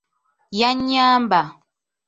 Yannyamba.